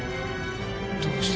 どうして。